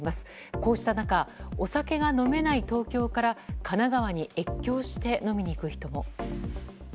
こうした中お酒が飲めない東京から神奈川に越境して飲みに行く人も。